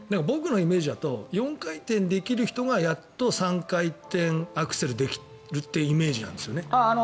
僕のイメージだと４回転できる人がやっと３回転アクセルできるというイメージなんですよね。